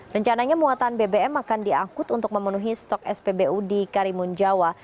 rencananya muatan bbm akan diangkut untuk memenuhi stok spbu di karimun jawa